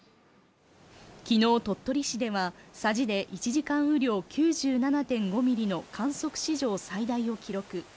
昨日、鳥取市では佐治で１時間雨量９７．５ミリの観測史上最大を記録。